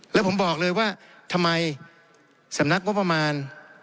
แล้วผมบอกเลยว่าทำไมสำนักงบประมาณ